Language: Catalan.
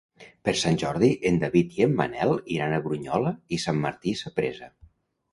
Per Sant Jordi en David i en Manel iran a Brunyola i Sant Martí Sapresa.